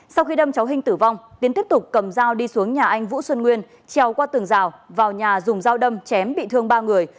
sau khi đâm cháu hưng tử vong tiến tiếp tục cầm dao đi xuống nhà anh vũ xuân nguyên treo qua tường rào vào nhà dùng dao đâm chém bị thương ba người